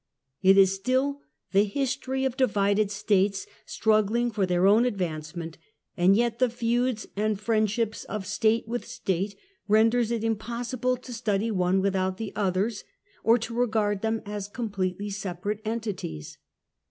It is still ^, f pe^;"/, the history of divided States, struggling for their own advancement; and yet the feuds and friendships of State with State renders it impossible to study one without the others, or to regard them as completely separate unities.